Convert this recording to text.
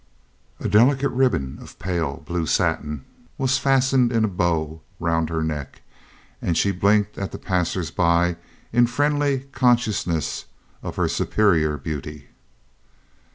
A delicate ribbon of pale blue satin was fastened in a bow round her neck, and she blinked at the passers by in friendly consciousness of her superior beauty.